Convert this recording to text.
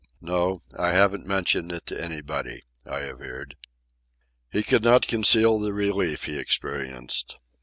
"No, I haven't mentioned it to anybody," I averred. He could not conceal the relief he experienced.